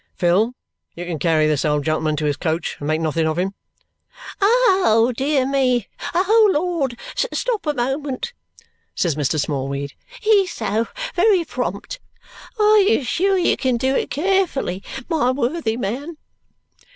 "Phil, you can carry this old gentleman to his coach, and make nothing of him." "Oh, dear me! O Lord! Stop a moment!" says Mr. Smallweed. "He's so very prompt! Are you sure you can do it carefully, my worthy man?"